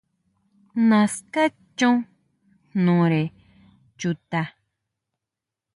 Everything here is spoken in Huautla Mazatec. Naská chon jnore chuta.